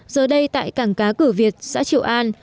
giờ đây tại cảng cá cửa việt xã triệu an